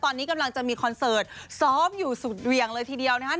ตอนนี้กำลังจะมีคอนเสิร์ตซ้อมอยู่สุดเหวี่ยงเลยทีเดียวนะครับ